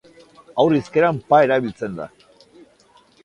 Haur hizkeran pa erabiltzen da.